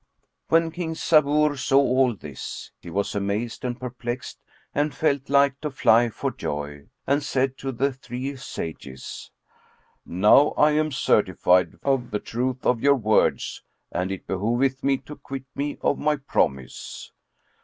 When King Sabur saw all this, he was amazed and perplexed and felt like to fly for joy and said to the three sages, "Now I am certified of the truth of your words and it behoveth me to quit me of my promise.